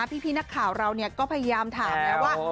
พี่นักข่าวเราก็พยายามถามแล้วว่า